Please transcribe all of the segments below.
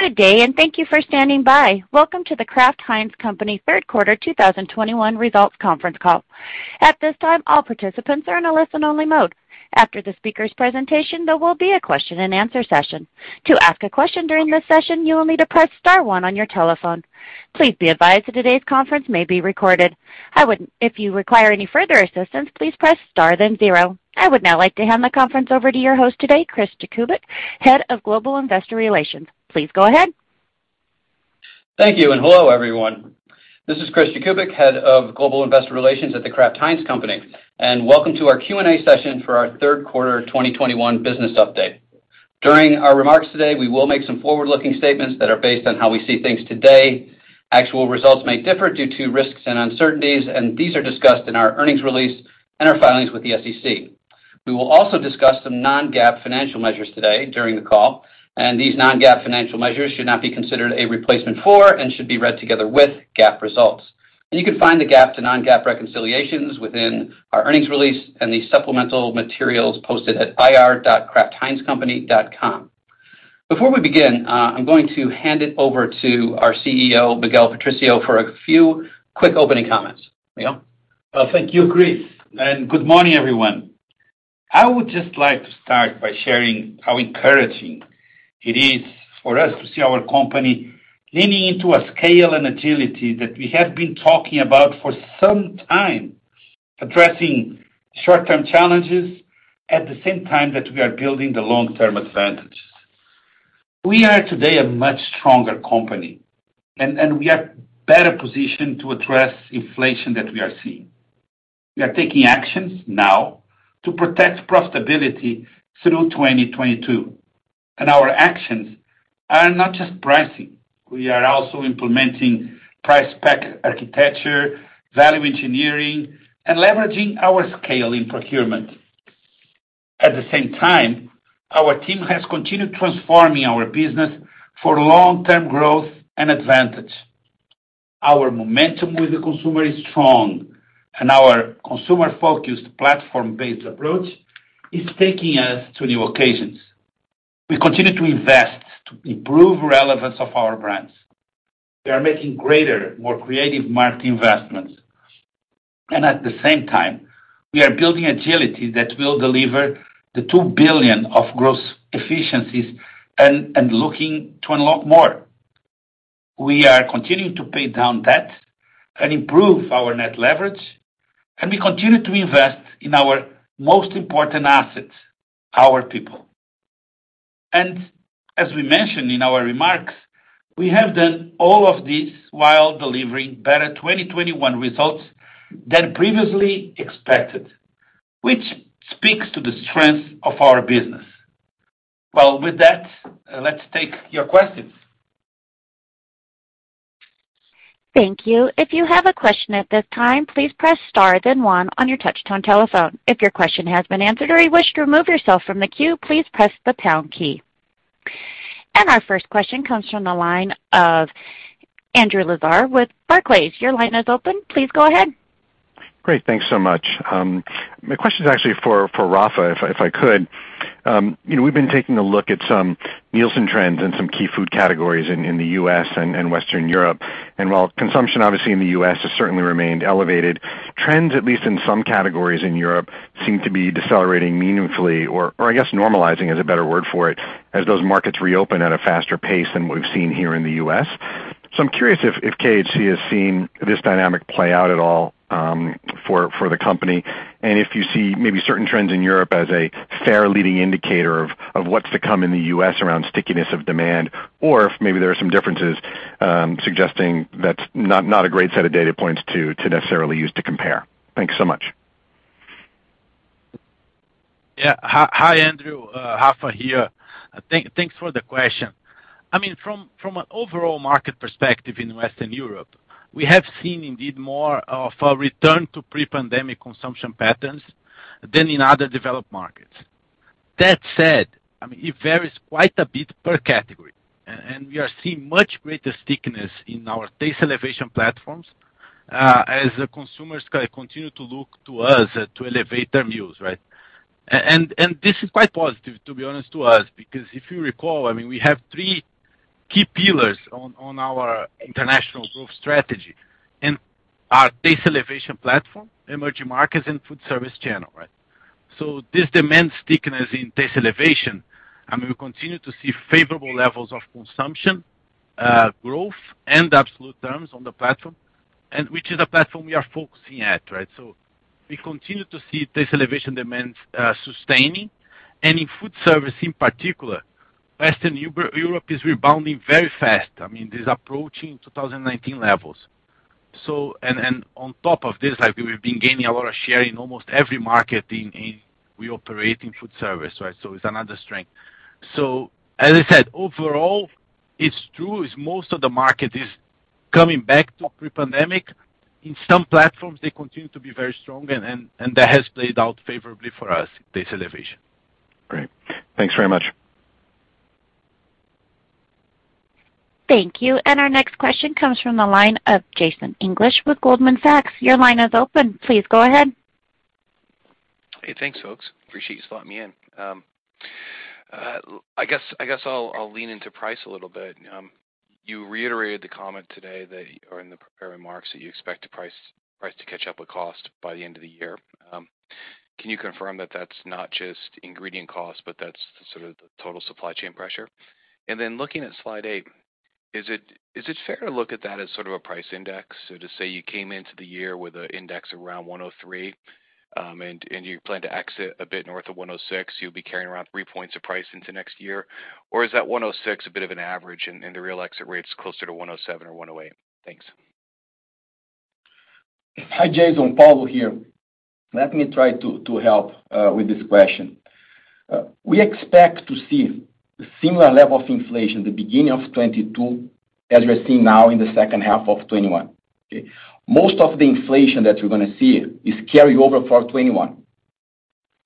Good day, and thank you for standing by. Welcome to The Kraft Heinz Company Q2 2021 results conference call. At this time, all participants are in a listen-only mode. After the speaker's presentation, there will be a question-and-answer session. To ask a question during this session, you will need to press star one on your telephone. Please be advised that today's conference may be recorded. If you require any further assistance, please press star, then zero. I would now like to hand the conference over to your host today, Chris Jakubik, Head of Global Investor Relations. Please go ahead. Thank you, and hello, everyone. This is Chris Jakubik, Head of Global Investor Relations at The Kraft Heinz Company. Welcome to our Q&A session for our Q2 2021 business update. During our remarks today, we will make some forward-looking statements that are based on how we see things today. Actual results may differ due to risks and uncertainties, and these are discussed in our earnings release and our filings with the SEC. We will also discuss some non-GAAP financial measures today during the call, and these non-GAAP financial measures should not be considered a replacement for and should be read together with GAAP results. You can find the GAAP to non-GAAP reconciliations within our earnings release and the supplemental materials posted at ir.kraftheinzcompany.com. Before we begin, I'm going to hand it over to our CEO, Miguel Patricio, for a few quick opening comments. Miguel? Well, thank you, Chris, and good morning, everyone. I would just like to start by sharing how encouraging it is for us to see our company leaning into a scale and agility that we have been talking about for some time, addressing short-term challenges at the same time that we are building the long-term advantages. We are today a much stronger company, and we are better positioned to address inflation that we are seeing. We are taking actions now to protect profitability through 2022, and our actions are not just pricing. We are also implementing price pack architecture, value engineering, and leveraging our scale in procurement. At the same time, our team has continued transforming our business for long-term growth and advantage. Our momentum with the consumer is strong, and our consumer-focused, platform-based approach is taking us to new occasions. We continue to invest to improve relevance of our brands. We are making greater, more creative market investments. At the same time, we are building agility that will deliver the $2 billion of gross efficiencies and looking to unlock more. We are continuing to pay down debt and improve our net leverage, and we continue to invest in our most important assets, our people. As we mentioned in our remarks, we have done all of this while delivering better 2021 results than previously expected, which speaks to the strength of our business. Well, with that, let's take your questions. Thank you. If you have a question at this time, please press star then one on your touchtone telephone. If your question has been answered or you wish to remove yourself from the queue, please press the pound key. Our first question comes from the line of Andrew Lazar with Barclays. Your line is open. Please go ahead. Great. Thanks so much. My question is actually for Rafa, if I could. You know, we've been taking a look at some Nielsen trends and some key food categories in the U.S. and Western Europe. While consumption obviously in the U.S. has certainly remained elevated, trends, at least in some categories in Europe, seem to be decelerating meaningfully or I guess normalizing is a better word for it, as those markets reopen at a faster pace than what we've seen here in the U.S. I'm curious if KHC has seen this dynamic play out at all, for the company. If you see maybe certain trends in Europe as a fair leading indicator of what's to come in the U.S. around stickiness of demand or if maybe there are some differences suggesting that's not a great set of data points to necessarily use to compare. Thanks so much. Yeah. Hi, Andrew. Rafael here. Thanks for the question. I mean, from an overall market perspective in Western Europe, we have seen indeed more of a return to pre-pandemic consumption patterns than in other developed markets. That said, I mean, it varies quite a bit per category. We are seeing much greater stickiness in our taste elevation platforms as consumers kinda continue to look to us to elevate their meals, right? This is quite positive, to be honest to us, because if you recall, I mean, we have three key pillars on our international growth strategy in our taste elevation platform, emerging markets and food service channel, right? This demand stickiness in taste elevation, I mean, we continue to see favorable levels of consumption, growth and absolute terms on the platform and which is a platform we are focusing at, right? We continue to see taste elevation demands, sustaining. In food service in particular, Western Europe is rebounding very fast. I mean, it is approaching 2019 levels. On top of this, we've been gaining a lot of share in almost every market we operate in food service, right? It's another strength. As I said, overall, it's true, most of the market is coming back to pre-pandemic. In some platforms, they continue to be very strong and that has played out favorably for us, taste elevation. Great. Thanks very much. Thank you. Our next question comes from the line of Jason English with Goldman Sachs. Your line is open. Please go ahead. Hey, thanks folks. Appreciate you slotting me in. I guess I'll lean into price a little bit. You reiterated the comment today that you are in the prepared remarks that you expect the price to catch up with cost by the end of the year. Can you confirm that that's not just ingredient costs, but that's sort of the total supply chain pressure? Then looking at slide 8, is it fair to look at that as sort of a price index? To say you came into the year with an index around 103, and you plan to exit a bit north of 106, you'll be carrying around 3 points of price into next year. Is that 106 a bit of an average and the real exit rates closer to 107 or 108? Thanks. Hi, Jason. Paulo here. Let me try to help with this question. We expect to see a similar level of inflation at the beginning of 2022, as we are seeing now in the H3 of 2021. Okay? Most of the inflation that we're gonna see is carryover for 2021.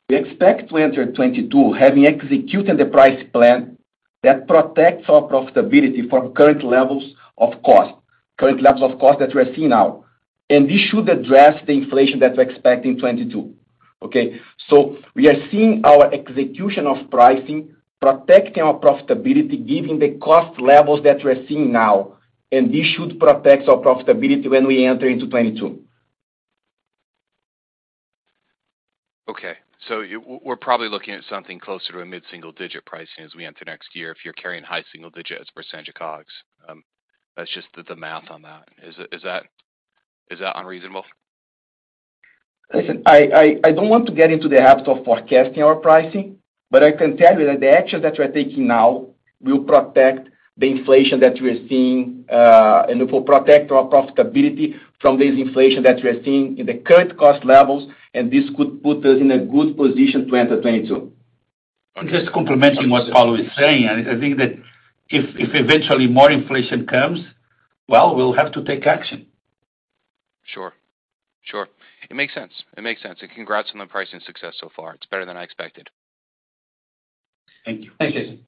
We expect 2022 having executed the price plan that protects our profitability from current levels of cost that we are seeing now. This should address the inflation that we expect in 2022. Okay? We are seeing our execution of pricing protecting our profitability given the cost levels that we're seeing now, and this should protect our profitability when we enter into 2022. Okay. We're probably looking at something closer to a mid-single digit pricing as we enter next year if you're carrying high single digits for a percentage of COGS. That's just the math on that. Is that unreasonable? Listen, I don't want to get into the habit of forecasting our pricing, but I can tell you that the actions that we're taking now will protect the inflation that we're seeing, and it will protect our profitability from this inflation that we're seeing in the current cost levels, and this could put us in a good position to enter 2022. Just complementing what Paulo is saying. I think that if eventually more inflation comes, well, we'll have to take action. Sure. It makes sense. Congrats on the pricing success so far. It's better than I expected. Thank you. Thanks, Jason.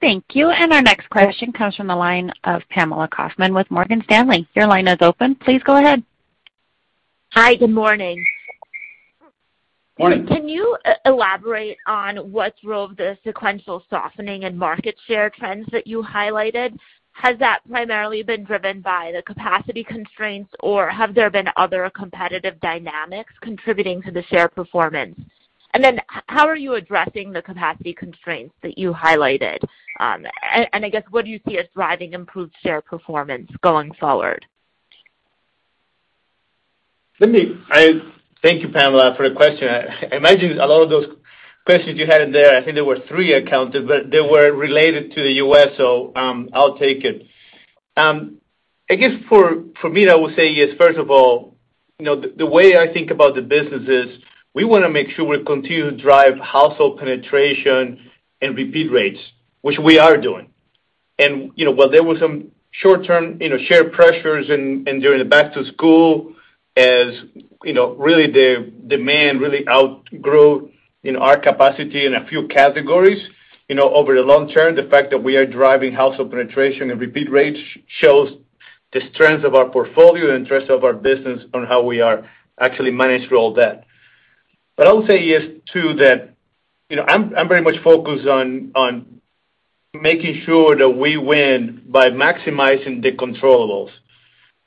Thank you. Our next question comes from the line of Pamela Kaufman with Morgan Stanley. Your line is open. Please go ahead. Hi. Good morning. Morning. Can you elaborate on what drove the sequential softening and market share trends that you highlighted? Has that primarily been driven by the capacity constraints, or have there been other competitive dynamics contributing to the share performance? And then how are you addressing the capacity constraints that you highlighted? And I guess, what do you see as driving improved share performance going forward? Thank you, Pamela, for the question. I imagine a lot of those questions you had in there, I think there were three I counted, but they were related to the U.S., so I'll take it. I guess for me, I would say is, first of all the way I think about the business is we wanna make sure we continue to drive household penetration and repeat rates, which we are doing. You know, while there were some short-term share pressures and during the back to school, as you know, the demand outgrew our capacity in a few categories. You know, over the long term, the fact that we are driving household penetration and repeat rates shows the strength of our portfolio and the strength of our business on how we are actually managed through all that. But I would say is too that I'm very much focused on making sure that we win by maximizing the controllables.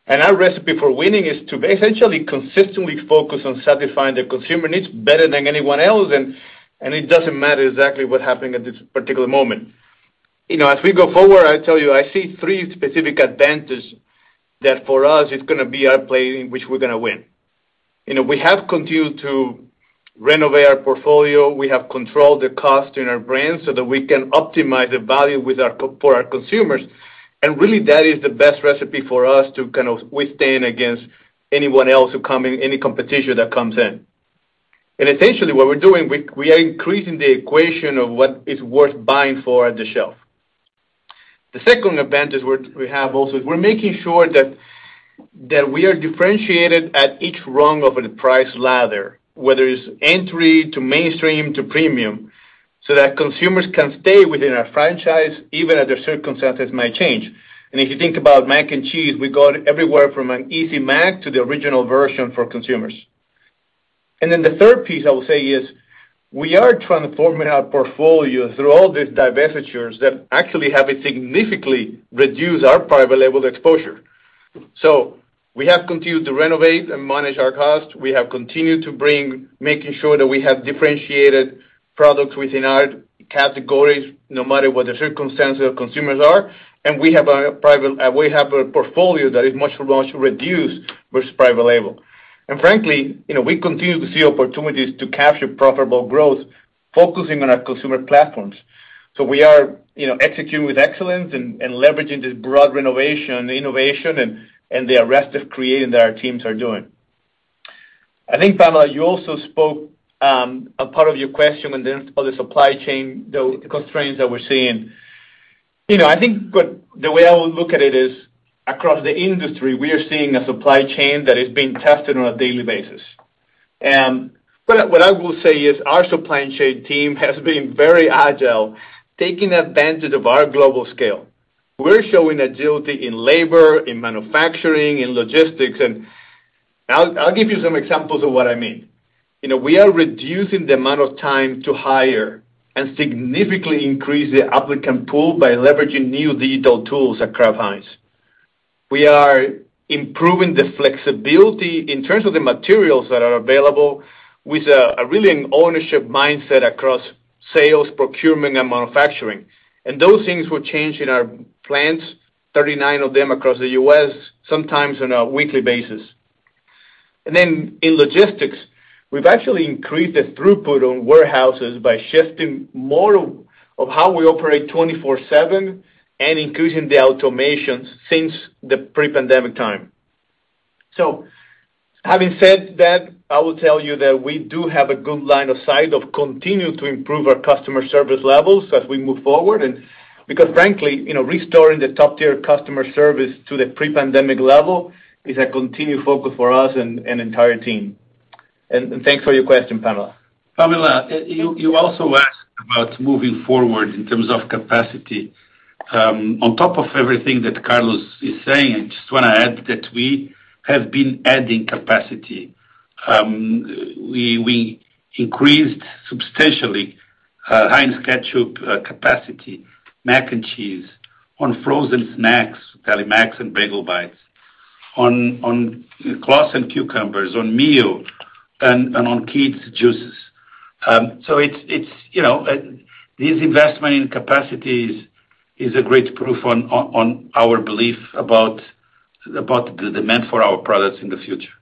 Our recipe for winning is to essentially consistently focus on satisfying the consumer needs better than anyone else, and it doesn't matter exactly what happened at this particular moment. You know, as we go forward, I tell you, I see three specific advantages that for us it's gonna be our play in which we're gonna win. You know, we have continued to renovate our portfolio. We have controlled the cost in our brands so that we can optimize the value for our consumers. Really, that is the best recipe for us to kind of withstand against anyone else who come in, any competition that comes in. Essentially, what we're doing, we are increasing the equation of what is worth buying at the shelf. The second advantage we have also is we're making sure that we are differentiated at each rung of the price ladder, whether it's entry to mainstream to premium, so that consumers can stay within our franchise, even if their circumstances might change. If you think about mac and cheese, we've got everywhere from an Easy Mac to the original version for consumers. The third piece I will say is we are transforming our portfolio through all these divestitures that actually have significantly reduced our private label exposure. We have continued to renovate and manage our costs. We have continued to bring, making sure that we have differentiated products within our categories, no matter what the circumstances of consumers are. We have a portfolio that is much, much reduced versus private label. frankly we continue to see opportunities to capture profitable growth, focusing on our consumer platforms. We are executing with excellence and leveraging this broad renovation, innovation and the rest of creating that our teams are doing. I think, Pamela, you also spoke a part of your question on the supply chain, the constraints that we're seeing. You know, I think what the way I would look at it is across the industry, we are seeing a supply chain that is being tested on a daily basis. What I will say is our supply chain team has been very agile, taking advantage of our global scale. We're showing agility in labor, in manufacturing, in logistics. I'll give you some examples of what I mean. You know, we are reducing the amount of time to hire and significantly increase the applicant pool by leveraging new digital tools at Kraft Heinz. We are improving the flexibility in terms of the materials that are available with really an ownership mindset across sales, procurement, and manufacturing. Those things will change in our plants, 39 of them across the U.S., sometimes on a weekly basis. In logistics, we've actually increased the throughput on warehouses by shifting more of how we operate 24/7 and increasing the automations since the pre-pandemic time. Having said that, I will tell you that we do have a good line of sight of continuing to improve our customer service levels as we move forward and, because frankly restoring the top-tier customer service to the pre-pandemic level is a continued focus for us and entire team. Thanks for your question, Pamela. Pamela, you also asked about moving forward in terms of capacity. On top of everything that Carlos is saying, I just wanna add that we have been adding capacity. We increased substantially Heinz Ketchup capacity, Mac and Cheese in frozen snacks, Delimex and Bagel Bites, in Kraft's and condiments, in meal and in kids juices. it's this investment in capacity is a great proof of our belief about the demand for our products in the future.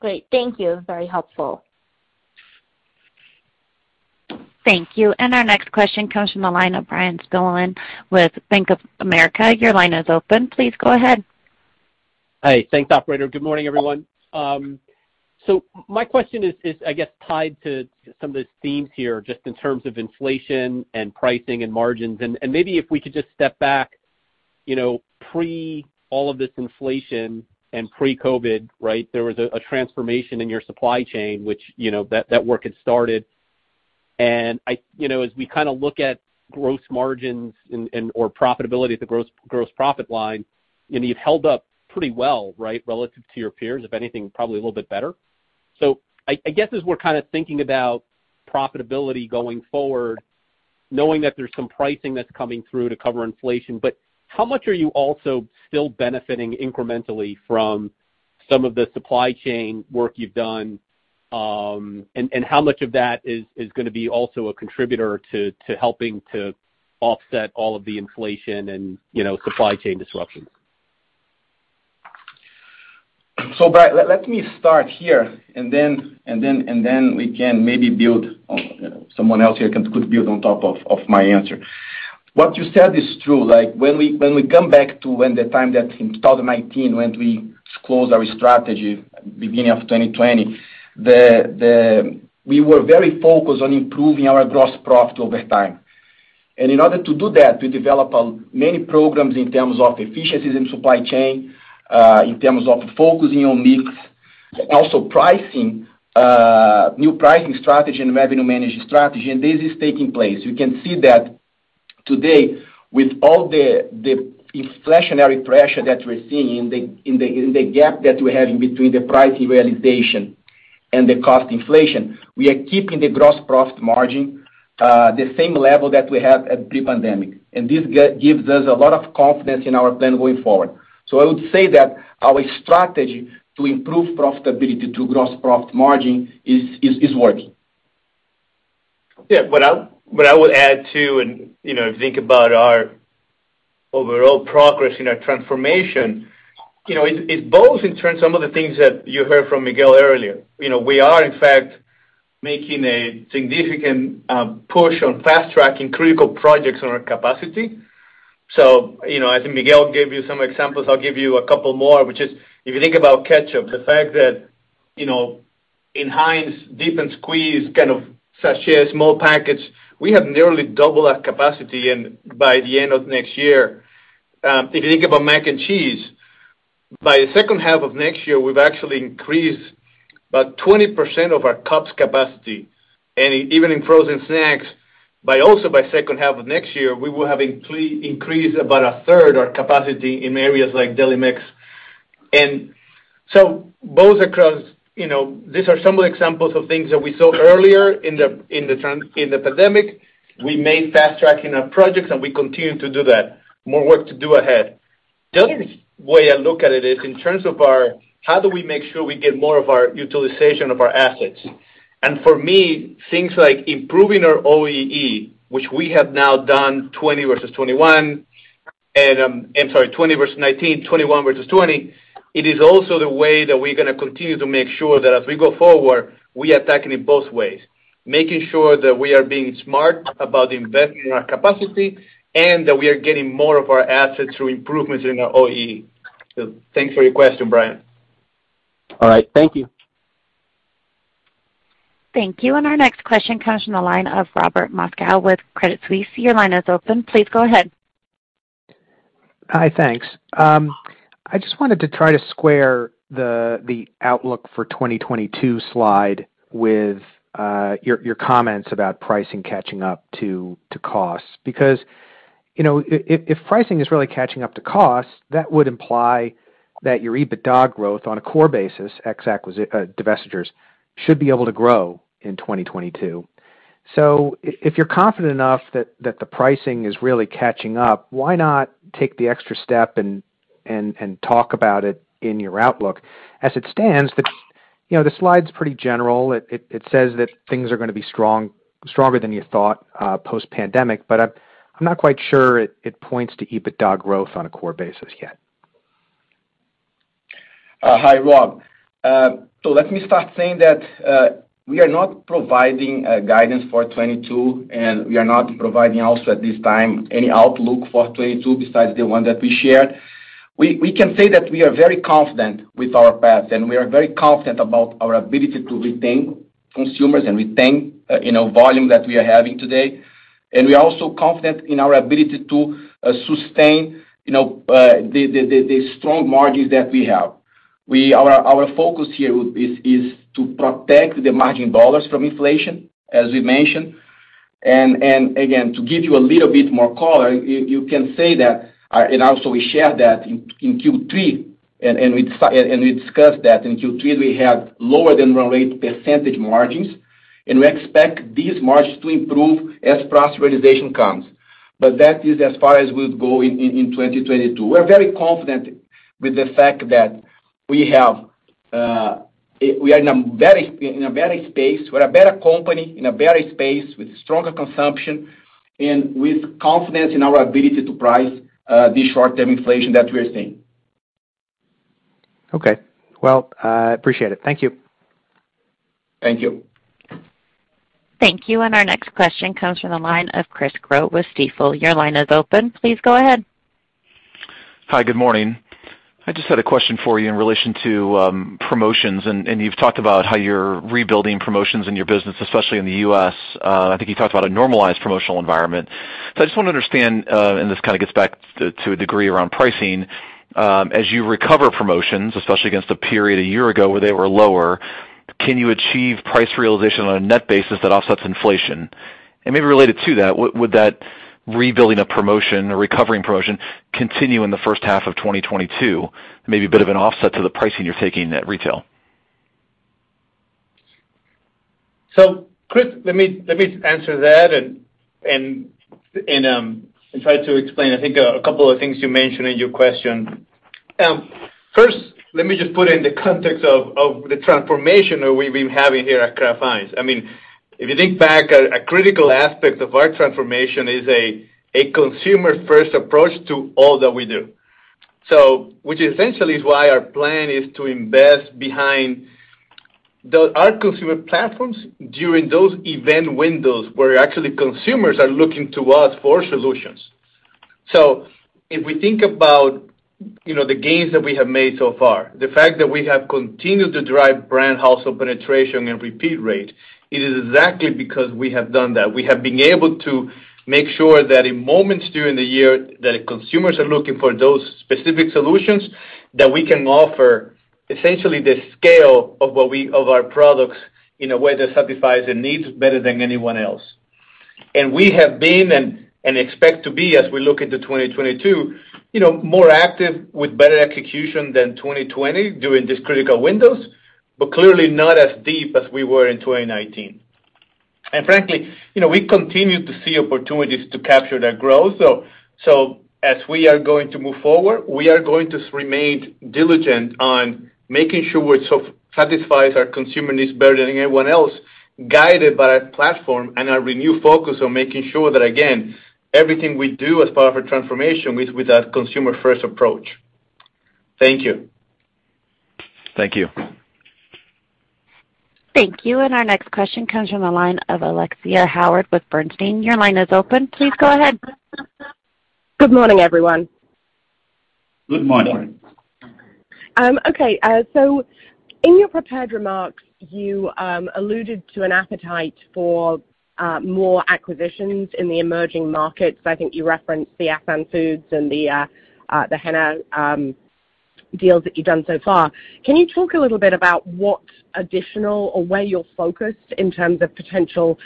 Great. Thank you. Very helpful. Thank you. Our next question comes from the line of Bryan Spillane with Bank of America. Your line is open. Please go ahead. Hi. Thanks, operator. Good morning, everyone. My question is, I guess tied to some of the themes here just in terms of inflation and pricing and margins. Maybe if we could just step back pre all of this inflation and pre-COVID, right? There was a transformation in your supply chain, which that work had started. I you know, as we kinda look at gross margins and/or profitability, the gross profit line, and you've held up pretty well, right, relative to your peers, if anything, probably a little bit better. I guess, as we're kinda thinking about profitability going forward, knowing that there's some pricing that's coming through to cover inflation, but how much are you also still benefiting incrementally from some of the supply chain work you've done? How much of that is gonna be also a contributor to helping to offset all of the inflation and supply chain disruptions? Brian, let me start here, and then someone else here can build on top of my answer. What you said is true, like, when we come back to the time that in 2019 when we disclosed our strategy beginning of 2020, we were very focused on improving our gross profit over time. In order to do that, we developed many programs in terms of efficiencies in supply chain, in terms of focusing on mix, also pricing, new pricing strategy and revenue management strategy, and this is taking place. You can see that today with all the inflationary pressure that we're seeing in the gap that we have between the price realization and the cost inflation, we are keeping the gross profit margin the same level that we had at pre-pandemic. This gives us a lot of confidence in our plan going forward. I would say that our strategy to improve profitability to gross profit margin is working. What I would add too and think about our overall progress in our transformation it both in terms of some of the things that you heard from Miguel earlier. You know, we are in fact making a significant push on fast tracking critical projects on our capacity. You know, as Miguel gave you some examples, I'll give you a couple more, which is if you think about ketchup, the fact that in Heinz Dip & Squeeze kind of sachet small packets, we have nearly double our capacity and by the end of next year. If you think about mac and cheese, by the H3 of next year, we've actually increased about 20% of our cups capacity. Even in frozen snacks, by H3 of next year, we will have increased about a third of our capacity in areas like Delimex. Both across these are some of the examples of things that we saw earlier in the pandemic. We made fast-tracking our projects, and we continue to do that. More work to do ahead. The other way I look at it is in terms of how we make sure we get more of our utilization of our assets. For me, things like improving our OEE, which we have now done 2020 versus 2021, and, I'm sorry, 2020 versus 2019, 2021 versus 2020, it is also the way that we're gonna continue to make sure that as we go forward, we're attacking it both ways, making sure that we are being smart about investing in our capacity and that we are getting more of our assets through improvements in our OEE. Thanks for your question, Bryan. All right. Thank you. Thank you. Our next question comes from the line of Robert Moskow with Credit Suisse. Your line is open. Please go ahead. Hi, thanks. I just wanted to try to square the outlook for 2022 slide with your comments about pricing catching up to cost. because if pricing is really catching up to cost, that would imply that your EBITDA growth on a core basis, ex-acquisitions, divestitures should be able to grow in 2022. So if you're confident enough that the pricing is really catching up, why not take the extra step and talk about it in your outlook? As it stands the slide's pretty general. It says that things are gonna be strong, stronger than you thought, post-pandemic, but I'm not quite sure it points to EBITDA growth on a core basis yet. Hi, Rob. So let me start saying that we are not providing guidance for 2022, and we are not providing also at this time any outlook for 2022 besides the one that we shared. We can say that we are very confident with our path, and we are very confident about our ability to retain consumers and retain you know volume that we are having today. We are also confident in our ability to sustain you know the strong margins that we have. Our focus here is to protect the margin dollars from inflation, as we mentioned. Again, to give you a little bit more color, you can say that, and also we shared that in Q3, and we discussed that in Q3 we have lower than run rate percentage margins, and we expect these margins to improve as price realization comes. That is as far as we'll go in 2022. We're very confident with the fact that we are in a better space. We're a better company in a better space with stronger consumption and with confidence in our ability to price the short-term inflation that we are seeing. Okay. Well, appreciate it. Thank you. Thank you. Thank you. Our next question comes from the line of Chris Growe with Stifel. Your line is open. Please go ahead. Hi, good morning. I just had a question for you in relation to promotions. You've talked about how you're rebuilding promotions in your business, especially in the U.S. I think you talked about a normalized promotional environment. I just want to understand, and this kind of gets back to a degree around pricing. As you recover promotions, especially against a period a year ago where they were lower, can you achieve price realization on a net basis that offsets inflation? Maybe related to that, would that rebuilding a promotion or recovering promotion continue in the H1 of 2022, maybe a bit of an offset to the pricing you're taking at retail? Chris, let me answer that and try to explain, I think a couple of things you mentioned in your question. First, let me just put it in the context of the transformation that we've been having here at Kraft Heinz. I mean, if you think back, a critical aspect of our transformation is a consumer first approach to all that we do. Which essentially is why our plan is to invest behind our consumer platforms during those event windows where actually consumers are looking to us for solutions. If we think about the gains that we have made so far, the fact that we have continued to drive brand household penetration and repeat rate, it is exactly because we have done that. We have been able to make sure that in moments during the year that consumers are looking for those specific solutions that we can offer essentially the scale of our products in a way that satisfies the needs better than anyone else. We have been and expect to be, as we look into 2022 more active with better execution than 2020 during these critical windows, but clearly not as deep as we were in 2019. frankly we continue to see opportunities to capture that growth. As we are going to move forward, we are going to remain diligent on making sure we satisfy our consumer needs better than anyone else, guided by our platform and our renewed focus on making sure that, again, everything we do as part of our transformation is with that consumer first approach. Thank you. Thank you. Thank you. Our next question comes from the line of Alexia Howard with Bernstein. Your line is open. Please go ahead. Good morning, everyone. Good morning. In your prepared remarks, you alluded to an appetite for more acquisitions in the emerging markets. I think you referenced the Assan Foods and the Hemmer deals that you've done so far. Can you talk a little bit about what additional or where you're focused in terms of potential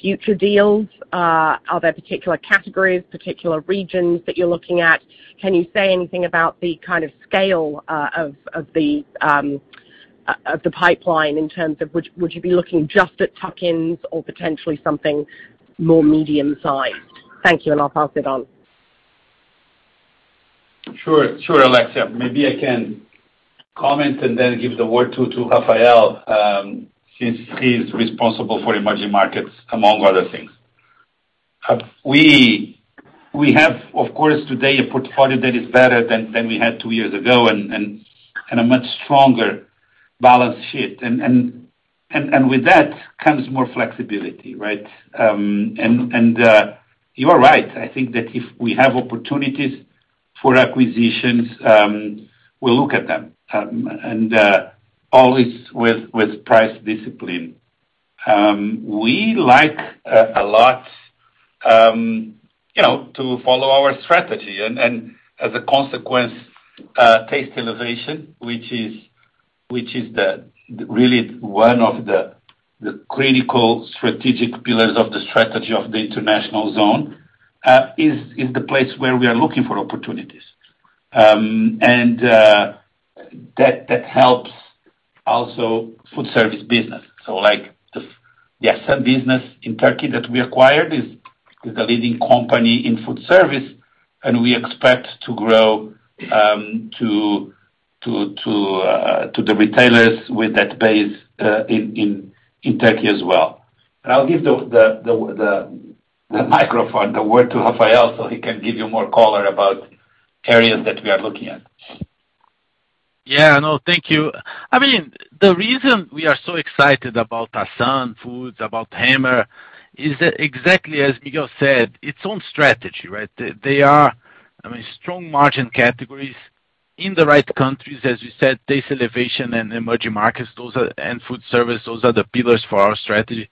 future deals? Are there particular categories, particular regions that you're looking at? Can you say anything about the kind of scale of the pipeline in terms of would you be looking just at tuck-ins or potentially something more medium-sized? Thank you, and I'll pass it on. Sure, Alexia. Maybe I can comment and then give the word to Rafael, since he's responsible for emerging markets, among other things. We have, of course, today a portfolio that is better than we had two years ago and a much stronger balance sheet. With that comes more flexibility, right? You are right. I think that if we have opportunities for acquisitions, we'll look at them and always with price discipline. We like a lot to follow our strategy. As a consequence, taste elevation, which is really one of the critical strategic pillars of the strategy of the international zone, is the place where we are looking for opportunities. That helps also food service business. Like the Assan business in Turkey that we acquired is a leading company in food service, and we expect to grow to the retailers with that base in Turkey as well. I'll give the microphone, the word to Rafael so he can give you more color about areas that we are looking at. Yeah, no, thank you. I mean, the reason we are so excited about Assan Foods, about Hemmer is that exactly as Miguel said, its own strategy, right? They are, I mean, strong margin categories in the right countries, as you said, taste elevation, emerging markets, and food service, those are the pillars for our strategy.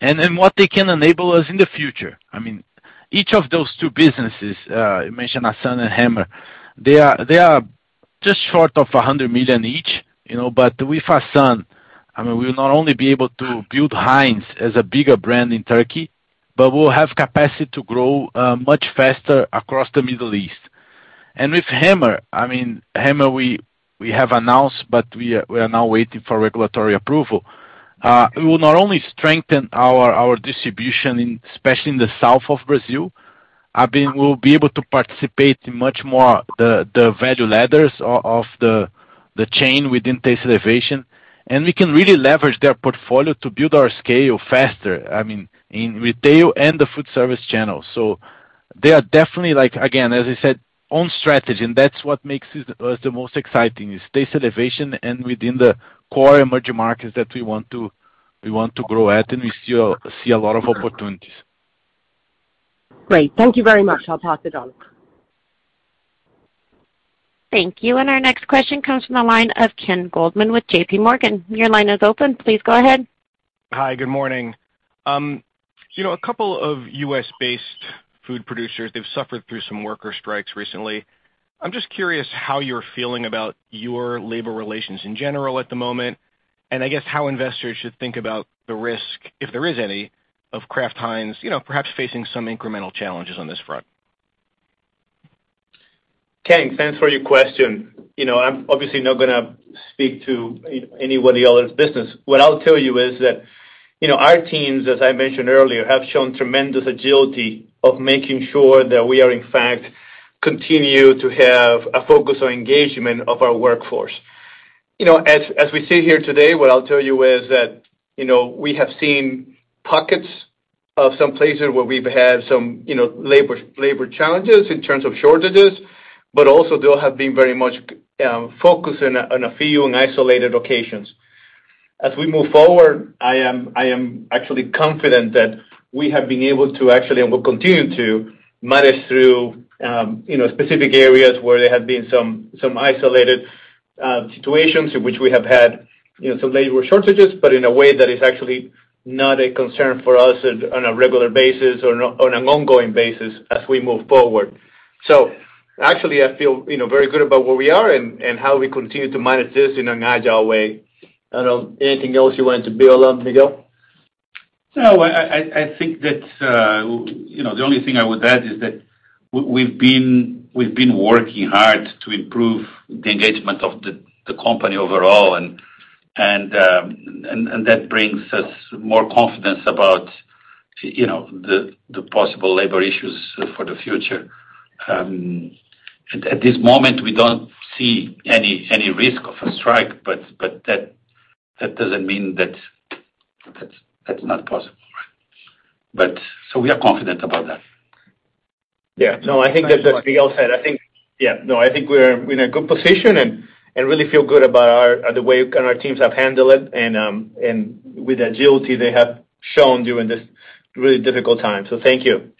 What they can enable us in the future, I mean, each of those two businesses you mentioned, Assan and Hemmer, they are just short of $100 million each, you know. With Assan, I mean, we'll not only be able to build Heinz as a bigger brand in Turkey, but we'll have capacity to grow much faster across the Middle East. With Hemmer, I mean, we have announced, but we are now waiting for regulatory approval. It will not only strengthen our distribution in, especially in the south of Brazil. I mean, we'll be able to participate much more in the value ladders of the chain within taste elevation, and we can really leverage their portfolio to build our scale faster, I mean, in retail and the food service channel. They are definitely like, again, as I said, on strategy, and that's what makes us the most exciting, is taste elevation and within the core emerging markets that we want to grow at, and we see a lot of opportunities. Great. Thank you very much. I'll pass it on. Thank you. Our next question comes from the line of Kenneth Goldman with J.P. Morgan. Your line is open. Please go ahead. Hi. Good morning. You know, a couple of U.S.-based food producers, they've suffered through some worker strikes recently. I'm just curious how you're feeling about your labor relations in general at the moment, and I guess how investors should think about the risk, if there is any, of Kraft heinz perhaps facing some incremental challenges on this front? Ken, thanks for your question. You know, I'm obviously not gonna speak to anybody else's business. What I'll tell you is that our teams, as I mentioned earlier, have shown tremendous agility of making sure that we are in fact continue to have a focus on engagement of our workforce. You know, as we sit here today, what I'll tell you is that we have seen pockets of some places where we've had some labor challenges in terms of shortages, but also they have been very much focused on a few and isolated occasions. As we move forward, I am actually confident that we have been able to actually, and will continue to manage through specific areas where there have been some isolated situations in which we have had some labor shortages, but in a way that is actually not a concern for us on a regular basis or on an ongoing basis as we move forward. Actually I feel very good about where we are and how we continue to manage this in an agile way. I don't know. Anything else you wanted to build on, Miguel? No. I think that the only thing I would add is that we've been working hard to improve the engagement of the company overall and that brings us more confidence about the possible labor issues for the future. At this moment, we don't see any risk of a strike, but that doesn't mean that that's not possible. We are confident about that. I think that, as Miguel said, we're in a good position and really feel good about the way our teams have handled it and with agility they have shown during this really difficult time. Thank you.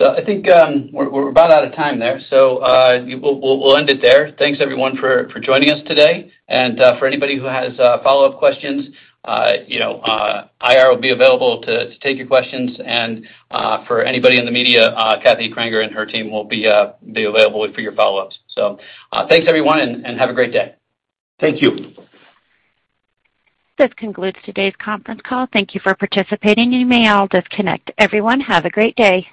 I think we're about out of time there. We'll end it there. Thanks everyone for joining us today. For anybody who has follow-up questions IR will be available to take your questions. For anybody in the media, Kathy Krenger and her team will be available for your follow-ups. Thanks everyone and have a great day. Thank you. This concludes today's conference call. Thank you for participating. You may all disconnect. Everyone, have a great day.